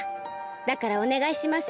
だからおねがいします。